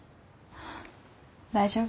大丈夫。